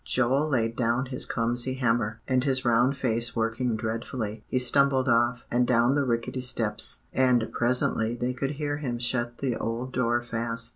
Joel laid down his clumsy hammer, and his round face working dreadfully, he stumbled off, and down the rickety steps, and presently they could hear him shut the old door fast.